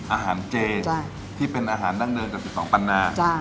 อาหารเจที่เป็นอาหารดั้งเดิมจาก๑๒ปันนา